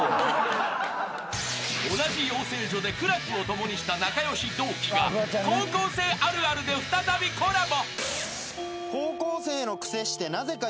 ［同じ養成所で苦楽を共にした仲良し同期が高校生あるあるで再びコラボ］